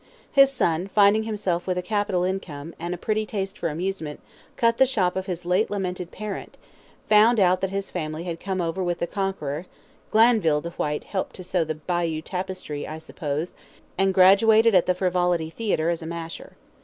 His son, finding himself with a capital income, and a pretty taste for amusement, cut the shop of his late lamented parent, found out that his family had come over with the Conqueror Glanville de Whyte helped to sew the Bayeux tapestry, I suppose and graduated at the Frivolity Theatre as a masher.